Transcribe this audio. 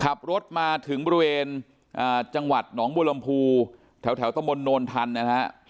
ขับรถมาถึงบริเวณอ่าจังหวัดหนองบูรรมภูแถวแถวตะมนต์นอนทันนะฮะ